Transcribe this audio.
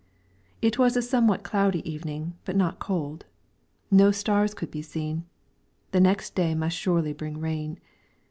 It was a somewhat cloudy evening but not cold; no stars could be seen; the next day must surely bring rain.